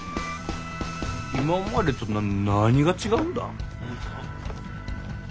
今までと何が違うんだ？